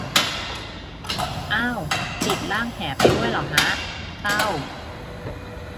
อ่าว ติดร่างแหไปด้วยเหรอฮะ เศร้า